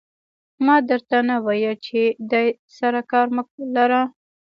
ما در ته نه ویل چې دې سره کار مه لره.